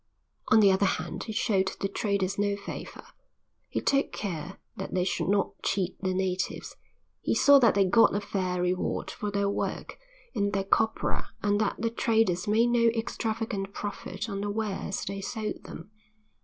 On the other hand he showed the traders no favour. He took care that they should not cheat the natives; he saw that they got a fair reward for their work and their copra and that the traders made no extravagant profit on the wares they sold them.